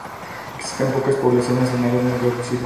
Existen pocas poblaciones en áreas muy reducidas.